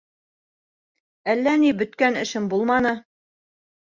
— Әллә ни бөткән эшем булманы.